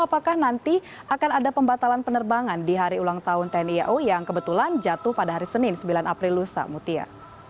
apakah nanti akan ada pembatalan penerbangan di hari ulang tahun tni au yang kebetulan jatuh pada hari senin sembilan april lusa mutia